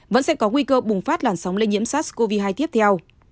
vẫn sẽ có nguy cơ bùng phát làn sóng lây nhiễm sars cov hai tiếp theo